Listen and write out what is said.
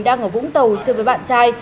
đang ở vũng tàu chơi với bạn trai